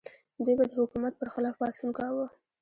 دوی به د حکومت پر خلاف پاڅون کاوه.